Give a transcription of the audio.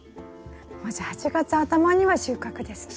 もうじゃあ８月頭には収穫ですね。